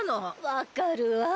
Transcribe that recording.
分かるわ。